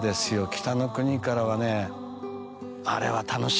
『北の国から』はね。